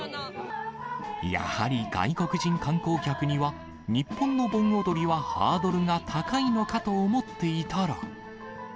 やはり外国人観光客には、日本の盆踊りはハードルが高いのかと思っていたら。